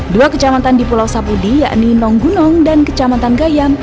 dua kecamatan di pulau sabudi yakni nonggunong dan kecamatan gayam